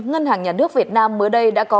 ngân hàng nhà nước việt nam mới đây đã có